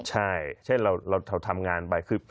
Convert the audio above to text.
ใช่เช่นเราทำงานไปคือ